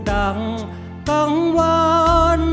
เพลงพร้อมร้องได้ให้ล้าน